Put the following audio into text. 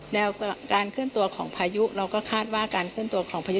การเคลื่อนตัวของพายุเราก็คาดว่าการเคลื่อนตัวของพายุ